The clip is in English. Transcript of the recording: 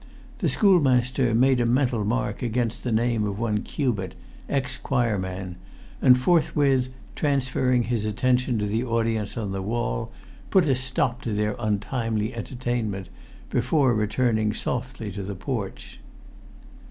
The schoolmaster made a mental mark against the name of one Cubitt, ex choirman, and, forthwith transferring his attention to the audience on the wall, put a stop to their untimely entertainment before returning softly to the porch.